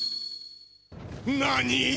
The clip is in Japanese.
何！？